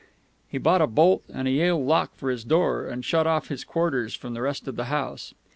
He bought a bolt and a Yale lock for his door, and shut off his quarters from the rest of the house.